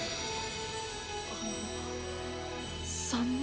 あの３人？